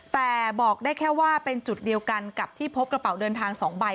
แต่บอกได้แค่ว่าเป็นจุดเดียวกันกับที่พบกระเป๋าเดินทาง๒ใบ